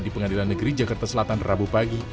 di pengadilan negeri jakarta selatan rabu pagi